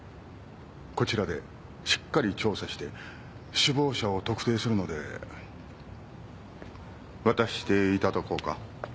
こちらでしっかり調査して首謀者を特定するので渡していただこうか。